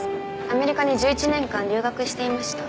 アメリカに１１年間留学していました。